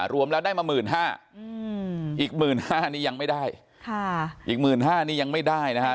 รวมแล้วได้มา๑๕๐๐๐บาทอีก๑๕๐๐๐บาทนี้ยังไม่ได้อีก๑๕๐๐๐บาทนี้ยังไม่ได้นะฮะ